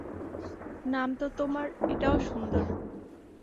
নাম তো তোমার এটাও সুন্দর।